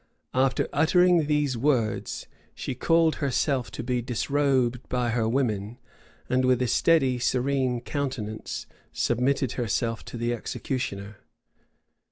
After uttering these words, she caused herself to be disrobed by her women; and with a steady serene countenance submitted herself to the executioner.